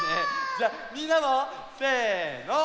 じゃあみんなも！せの！